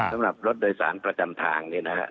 สำหรับรถโดยศาลประจำทางนี้นะครับ